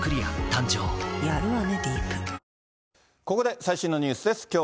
ここで最新のニュースです。